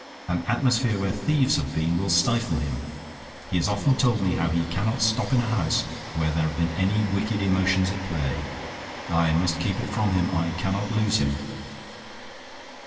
An atmosphere where thieves have been will stifle him. He has often told me how he cannot stop in a house where there have been wicked emotions at play. I must keep it from him. I cannot lose him."